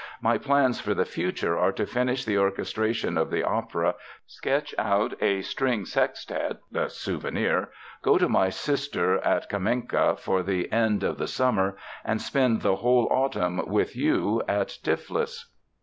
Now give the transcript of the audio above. My plans for the future are to finish the orchestration of the opera, sketch out a string sextet [the Souvenir], go to my sister at Kamenka for the end of the summer, and spend the whole autumn with you at Tiflis."